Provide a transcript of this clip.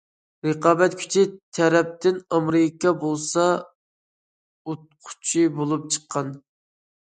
رىقابەت كۈچى تەرەپتىن، ئامېرىكا بولسا ئۇتقۇچى بولۇپ چىققان.